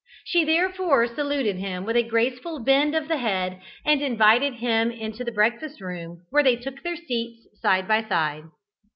She therefore saluted him with a graceful bend of the head, and invited him to the breakfast room, where they took their seats side by side.